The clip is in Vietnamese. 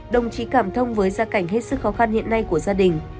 đồng chí cảm thông với gia cảnh hết sức khó khăn hiện nay của gia đình